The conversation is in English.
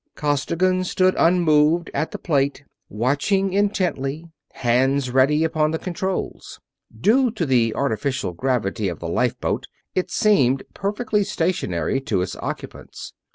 Costigan stood unmoved at the plate, watching intently; hands ready upon the controls. Due to the artificial gravity of the lifeboat it seemed perfectly stationary to its occupants.